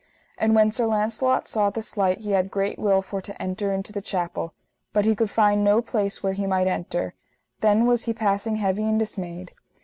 And when Sir Launcelot saw this light he had great will for to enter into the chapel, but he could find no place where he might enter; then was he passing heavy and dismayed.